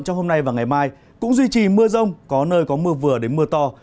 trong hôm nay và ngày mai cũng duy trì mưa rông có nơi có mưa vừa đến mưa to